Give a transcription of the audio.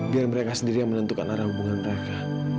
biar mereka sendiri yang menentukan arah hubungan mereka